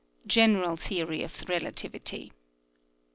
(Gen eral theory of relativity.)